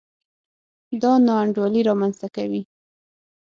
دا نا انډولي رامنځته کوي.